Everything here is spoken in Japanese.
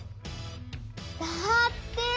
だって！